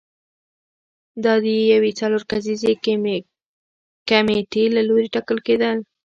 دا د یوې څلور کسیزې کمېټې له لوري ټاکل کېدل